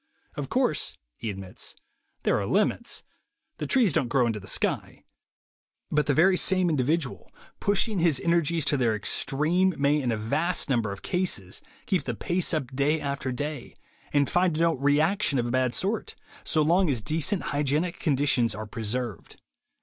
"Of course," he admits, "there are limits : the trees don't grow into the sky. ... But the very same individual, pushing his energies to their extreme, may in a vast number of cases keep the pace up day after day, and find no 'reaction' of a bad sort, so long as decent hygienic conditions are preserved."